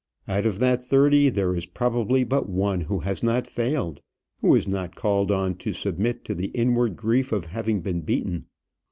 Out of that thirty there is probably but one who has not failed, who is not called on to submit to the inward grief of having been beaten.